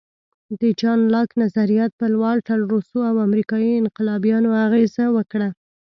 د جان لاک نظریات پر والټر، روسو او امریکایي انقلابیانو اغېز وکړ.